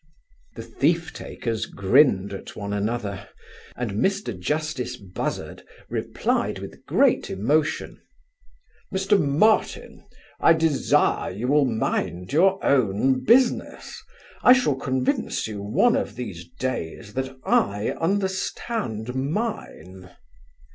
The thief takers grinned at one another; and Mr Justice Buzzard replied with great emotion, 'Mr Martin, I desire you will mind your own business; I shall convince you one of these days that I understand mine.